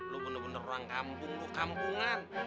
lu bener bener orang kampung lu kampungan